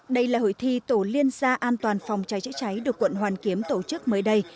đây là hội thi tổ liên gia an toàn phòng cháy chữa cháy được quận hoàn kiếm tổ chức mới đây